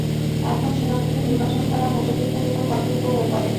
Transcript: এখন সেনাপতি নির্বাচন করা মুজাহিদদের উপর কর্তব্য হয়ে পড়ে।